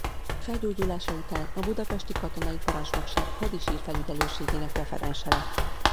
Felgyógyulása után a Budapesti Katonai Parancsnokság hadisír-felügyelőségének referense lett.